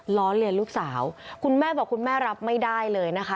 ล้อเลียนลูกสาวคุณแม่บอกคุณแม่รับไม่ได้เลยนะคะ